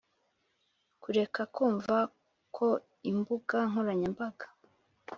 kureka kumva ko imbuga nkoranyambaga